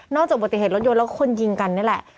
นอกจากปฏิเหตุรถยนต์แล้วก็คนยิงกันนี่แหละ